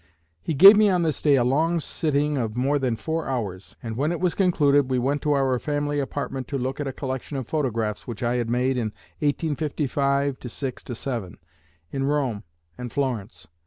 He gave me on this day a long sitting of more than four hours, and when it was concluded we went to our family apartment to look at a collection of photographs which I had made in 1855 6 7 in Rome and Florence.